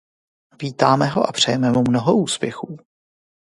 Vítáme ho a přejeme mu mnoho úspěchů.